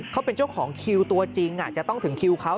เขาเป็นเจ้าของคิวตัวจริงจะต้องถึงคิวเขา